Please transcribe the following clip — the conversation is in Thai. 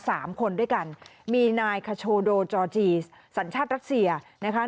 สามคนด้วยกันมีนายสัญชาติรักษีนะคะ